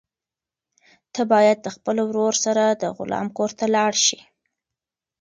ته باید د خپل ورور سره د غلام کور ته لاړ شې.